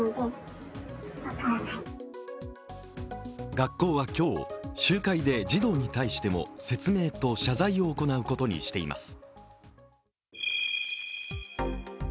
学校は今日、集会で児童に対しても説明と謝罪を行うことにしています。